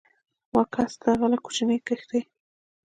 و کس د هغه له کوچنۍ کښتۍ